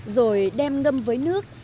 rồi đem ngâm với nước